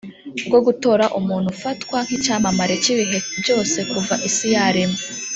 bwo gutora umuntu ufatwa nk’icyamamare cy’ibihe byose kuva isi yaremwa